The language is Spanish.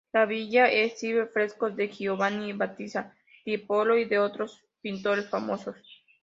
La villa exhibe frescos de Giovanni Battista Tiepolo y de otros pintores famosos.